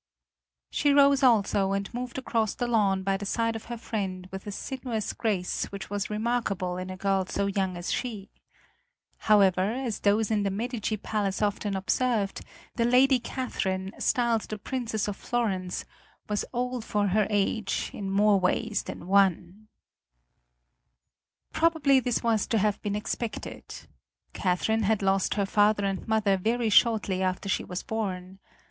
She rose also, and moved across the lawn by the side of her friend with a sinuous grace which was remarkable in a girl so young as she. However, as those in the Medici Palace often observed, the Lady Catherine, styled the Princess of Florence, was old for her age in more ways than one. [Illustration: CATHERINE DE' MEDICI From an old engraving] Probably this was to have been expected. Catherine had lost her father and mother very shortly after she was born.